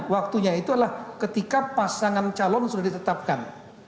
waktunya itu adalah ketika pasangan calon sudah ditetapkan